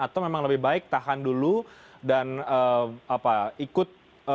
atau memang lebih baik tahan dulu dan ikut